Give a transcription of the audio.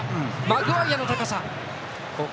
マグワイアの高さ。